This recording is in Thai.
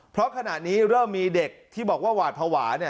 เพราะขณะนี้เริ่มมีเด็กที่บอกว่าหวาดภาวะ